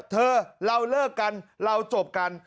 เธอเราเลิกกันเราจบกัน